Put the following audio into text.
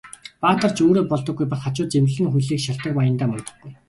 Баатар ч өөрөө болдоггүй, бас хажууд нь зэмлэл хүлээх шалтаг аяндаа мундахгүй.